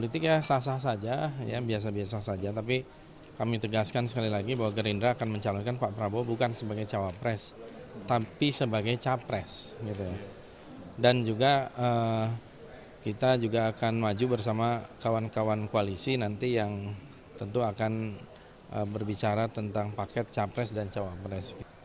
tapi sebagai capres dan juga kita akan maju bersama kawan kawan koalisi nanti yang tentu akan berbicara tentang paket capres dan cawapres